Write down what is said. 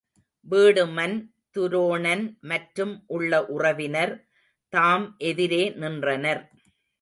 வீடுமன் துரோணன் மற்றும் உள்ள உறவினர் தாம் எதிரே நின்றனர்.